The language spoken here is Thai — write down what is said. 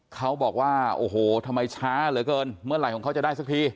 เขาบอกว่าโอ้โหทำไมช้าเหลือเกินเมื่อไหร่ของเขาจะได้สักที